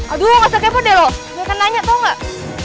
aduh gak usah kepo deh lo jangan nanya tau gak